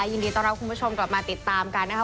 ยินดีต้อนรับคุณผู้ชมกลับมาติดตามกันนะคะ